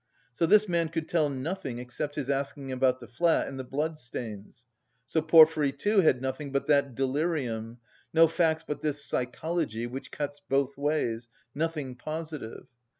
So this man could tell nothing except his asking about the flat and the blood stains. So Porfiry, too, had nothing but that delirium, no facts but this psychology which cuts both ways, nothing positive.